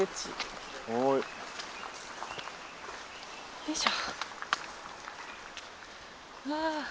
よいしょ！